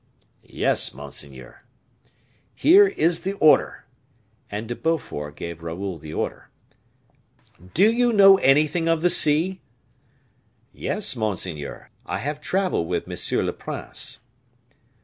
"Yes, monseigneur." "Here is the order." And De Beaufort gave Raoul the order. "Do you know anything of the sea?" "Yes, monseigneur; I have traveled with M. le Prince."